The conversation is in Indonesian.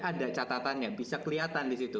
ada catatannya bisa kelihatan di situ